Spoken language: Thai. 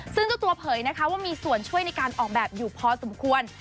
ซึ่งเจ้าตัวเผยนะคะว่ามีส่วนช่วยในการออกแบบอยู่พอสมควร